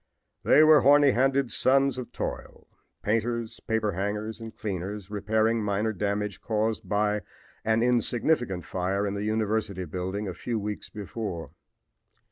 They were horny handed sons of toil painters, paper hangers and cleaners repairing minor damage caused by an insignificant fire in the university building a few weeks before.